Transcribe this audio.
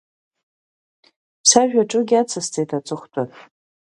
Сажәаҿы уигьы ацысҵеит аҵыхәтәан.